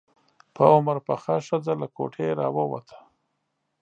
په عمر پخه ښځه له کوټې راووته.